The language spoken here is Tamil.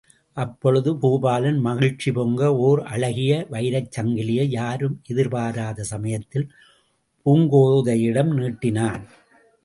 அப்பொழுது பூபாலன் மகிழ்ச்சி பொங்க, ஓர் அழகிய வைரச்சங்கிலியை யாரும் எதிர்பாராத சமயத்தில் பூங்கோதையிடம் நீட்டினான்.